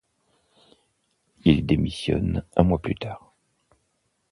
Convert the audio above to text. Il démissionne un mois plus tard.